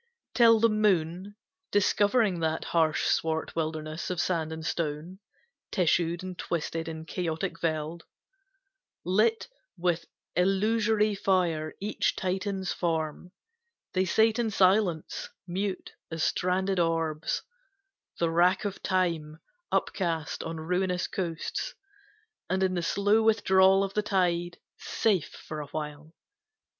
Till the moon, discovering That harsh swart wilderness of sand and stone Tissued and twisted in chaotic weld, Lit with illusory fire each Titan's form, They sate in silence, mute as stranded orbs The wrack of Time, upcast on ruinous coasts, And in the slow withdrawal of the tide Safe for awhile.